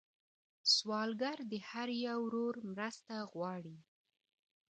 سوالګر د هر یو ورور مرسته غواړي